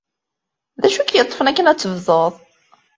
D acu i k-yeṭṭfen akken ad tebduḍ?